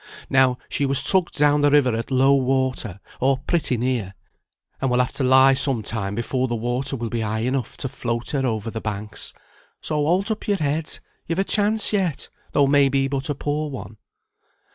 Now, she was tugged down the river at low water, or pretty near, and will have to lie some time before the water will be high enough to float her over the banks. So hold up your head, you've a chance yet, though may be but a poor one."